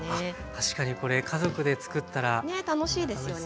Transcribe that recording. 確かにこれ家族でつくったら楽しそうですね。